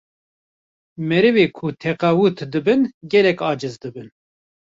merivê ku teqewût dibin gelek eciz dibin